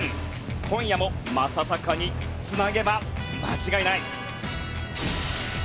今夜も正尚につなげば間違いない。